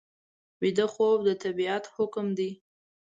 ویده خوب د طبیعت حکم دی